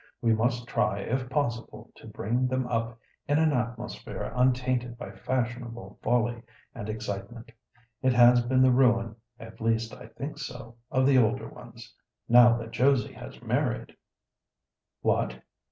We must try if possible to bring them up in an atmosphere untainted by fashionable folly and excitement. It has been the ruin (at least, I think so) of the older ones. Now that Josie has married— " "What!